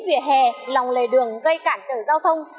vỉa hè lòng lề đường gây cản trở giao thông